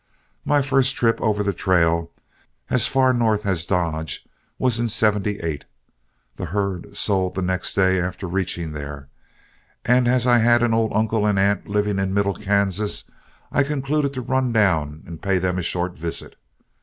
My first trip over the trail, as far north as Dodge, was in '78. The herd sold next day after reaching there, and as I had an old uncle and aunt living in middle Kansas, I concluded to run down and pay them a short visit.